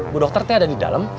bu dokter teh ada di dalam